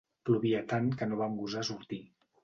Plovia tant que no vam gosar sortir.